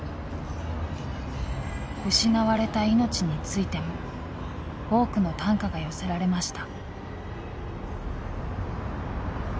失われた命についても多くの短歌が寄せられました。